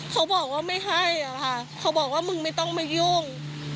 เขาบอกว่าไม่ให้อะค่ะเขาบอกว่ามึงไม่ต้องมายุ่ง